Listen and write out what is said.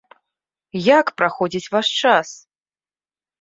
Як праходзіць ваш час?